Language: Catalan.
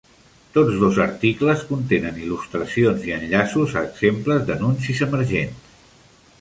Tots dos articles contenen il·lustracions i enllaços a exemples d'anuncis emergents.